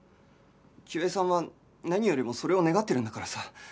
清江さんは何よりもそれを願ってるんだからさ